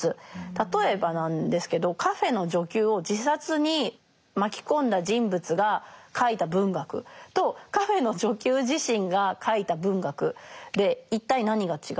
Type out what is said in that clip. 例えばなんですけどカフェーの女給を自殺に巻き込んだ人物が書いた文学とカフェーの女給自身が書いた文学で一体何が違うのか。